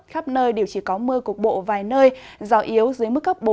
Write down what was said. khắp nơi đều chỉ có mưa cục bộ vài nơi gió yếu dưới mức cấp bốn